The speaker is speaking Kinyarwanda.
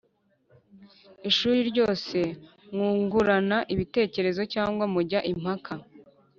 ishuri ryose mwungurana ibitekerezo cyangwa mujya impaka